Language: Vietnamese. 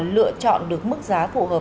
lựa chọn được mức giá phù hợp